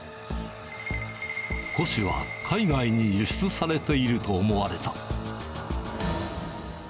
古紙は海外に輸出されていると思われた。